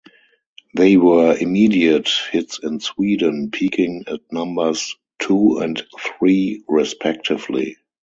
They were immediate hits in Sweden, peaking at numbers two and three respectively.